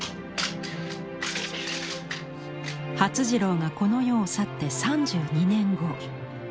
發次郎がこの世を去って３２年後。